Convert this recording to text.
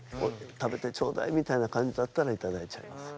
「食べてちょうだい」みたいな感じだったらいただいちゃいます。